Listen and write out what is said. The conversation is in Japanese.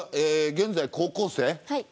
現在高校生。